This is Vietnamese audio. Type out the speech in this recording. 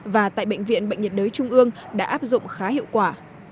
và tại bệnh viện bệnh nhiệt đới trung ương đã áp dụng khá hiệu quả